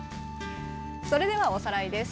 それではおさらいです。